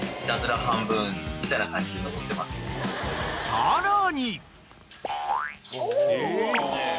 ［さらに］